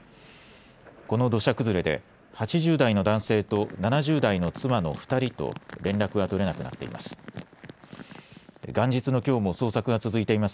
この土砂崩れで８０代の男性と７０代の妻の２人と連絡が取れなくなっています。